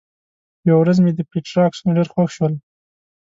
یوه ورځ مې د پېټرا عکسونه ډېر خوښ شول.